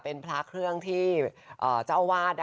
เป็นพระเครื่องที่เจ้าอาวาส